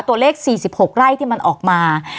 ตัวเลข๔๖ไร่ที่มันออกมา